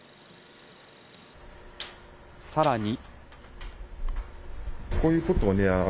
さらに。